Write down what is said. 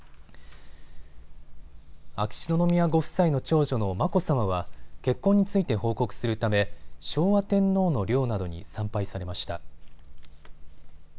秋篠宮ご夫妻の長女の眞子さまは結婚について報告するため昭和天皇の陵などに参拝されました。